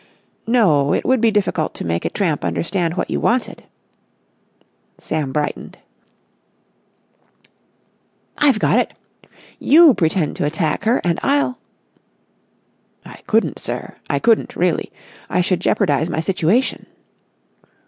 "No, it would be difficult to make a tramp understand what you wanted." Sam brightened. "I've got it! You pretend to attack her, and I'll...." "I couldn't, sir! I couldn't, really! I should jeopardise my situation."